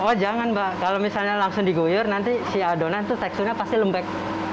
oh jangan mbak kalau misalnya langsung diguyur nanti si adonan itu teksturnya pasti lembek